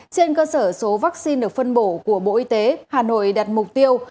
trên cơ sở số vaccine được phân bổ của bộ y tế hà nội đặt mục tiêu